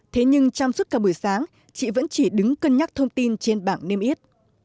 thế nhưng trong suốt cả buổi sáng chị vẫn chỉ đứng cân nhắc thông tin trên bảng niêm yết